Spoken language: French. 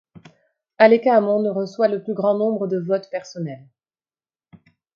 Aleqa Hammond reçoit le plus grand nombre de votes personnels.